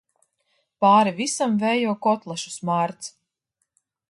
Pāri visam vējo kotlešu smārds.